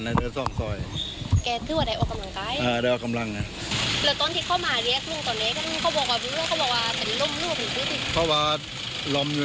แกถือว่าได้เอากำลังร้าย